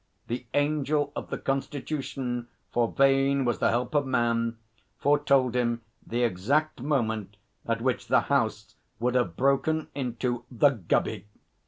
The Angel of the Constitution, for vain was the help of man, foretold him the exact moment at which the House would have broken into 'The Gubby.'